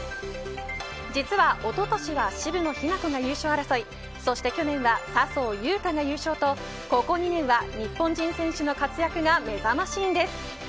実は、おととしは渋野日向子が優勝争いそして去年は笹生優花が優勝とここ２年は日本人選手の活躍がめざましいんです。